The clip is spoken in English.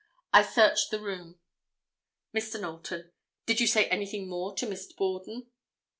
I searched the room." Mr. Knowlton—"Did you say anything more to Miss Borden?"